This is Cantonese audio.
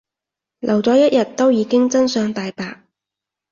留咗一日都已經真相大白